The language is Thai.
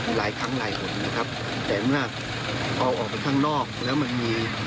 หลายครั้งหลายหนนะครับแต่อำนาจเอาออกไปข้างนอกแล้วมันมี